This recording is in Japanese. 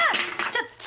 ちょっと。